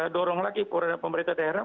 dorong lagi kepada pemerintah daerah